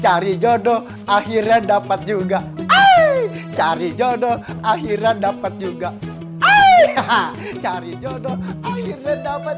cari jodoh akhirnya dapat juga hai cari jodoh akhirnya dapat juga cari jodoh akhirnya dapat